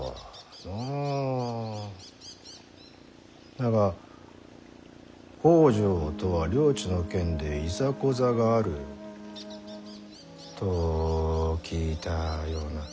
だが北条とは領地の件でいざこざがあると聞いたような。